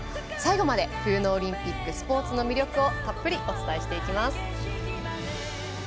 最後まで冬のオリンピックスポーツの魅力をたっぷりとお伝えしていきます。